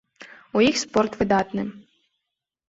У іх спорт выдатны.